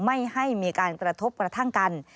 ไม่ให้มีการกระทบกระทั่งกัน